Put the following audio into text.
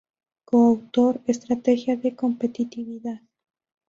Co-autor, Estrategia de Competitividad.